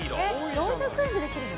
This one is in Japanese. ４００円でできるの？